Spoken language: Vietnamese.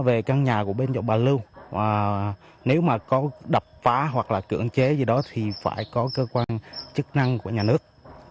về căn nhà của bên chỗ bà lưu nếu mà có đập phá hoặc là cưỡng chế gì đó thì phải có cơ quan chức năng của nhà nước